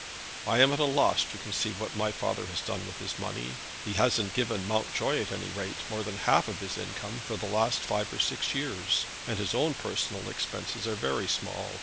I am at a loss to conceive what my father has done with his money. He hasn't given Mountjoy, at any rate, more than a half of his income for the last five or six years, and his own personal expenses are very small.